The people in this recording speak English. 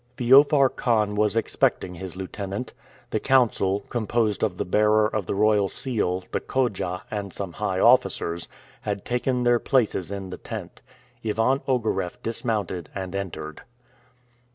Feofar Khan was expecting his lieutenant. The council, composed of the bearer of the royal seal, the khodja, and some high officers, had taken their places in the tent. Ivan Ogareff dismounted and entered.